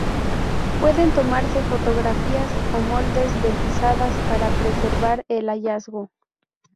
Pueden tomarse fotografías o moldes de pisadas para preservar el hallazgo.